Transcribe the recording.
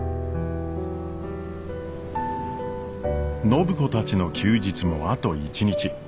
暢子たちの休日もあと一日。